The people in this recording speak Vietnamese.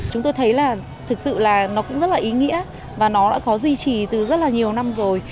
chúng tôi thấy là thực sự là nó cũng rất là ý nghĩa và nó đã có duy trì từ rất là nhiều năm rồi